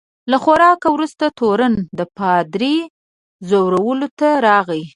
له خوراک وروسته تورن د پادري ځورولو ته راغی.